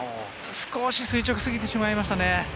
少し垂直すぎてしまいましたね。